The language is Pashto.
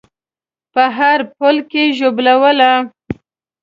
په هر پل کې ژوبلوله